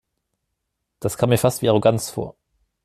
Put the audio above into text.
Das kam mir fast wie Arroganz vor.